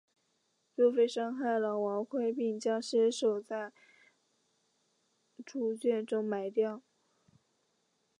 周玘杀害了王恢并将尸首在猪圈中埋掉。